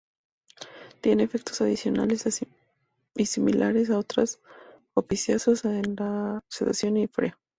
Tiene efectos adicionales similares a otros opiáceos, como la sedación y la euforia.